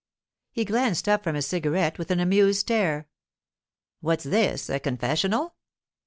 He glanced up from his cigarette with an amused stare. 'What's this—a confessional?